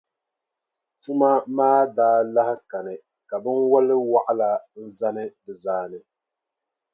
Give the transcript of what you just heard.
Puma maa daa lahi kani ka binwalʼ waɣila n-zani di zaani.